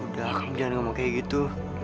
udah jangan ngomong kayak gitu